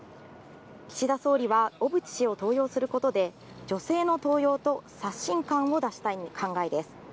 岸田総理は小渕氏を登用することで女性の登用と刷新感を出したい考えです。